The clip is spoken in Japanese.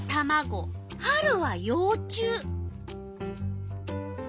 春はよう虫。